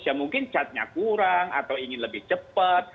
ya mungkin catnya kurang atau ingin lebih cepat